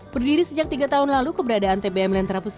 berdiri sejak tiga tahun lalu keberadaan tbm lentera pusaka